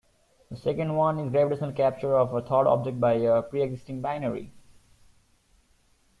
The second one is gravitational capture of a third object by a preexisting binary.